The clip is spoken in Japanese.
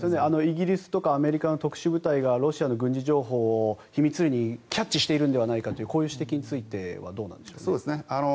イギリスとかアメリカの特殊部隊がロシアの軍事情報を秘密裏にキャッチしているのではないかというこういう指摘についてはどうなんでしょうか。